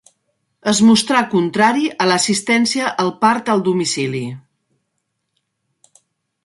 Es mostrà contrari a l'assistència al part al domicili.